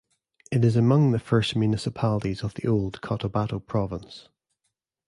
It is among the first municipalities of the old Cotabato province.